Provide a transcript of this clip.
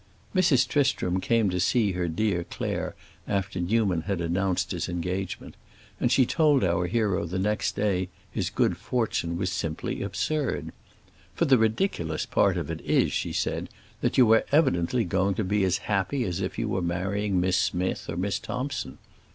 Mrs. Tristram came to see her dear Claire after Newman had announced his engagement, and she told our hero the next day that his good fortune was simply absurd. "For the ridiculous part of it is," she said, "that you are evidently going to be as happy as if you were marrying Miss Smith or Miss Thompson.